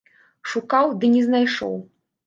Шукаў, ды не знайшоў.